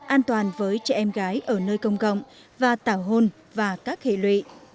an toàn với trẻ em gái ở nơi công cộng và tảo hôn và các hệ lụy